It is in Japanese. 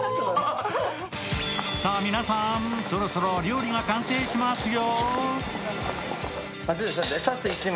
皆さん、そろそろ料理が完成しますよ。